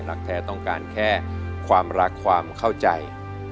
รักแท้ต้องการแค่ความรักความเข้าใจ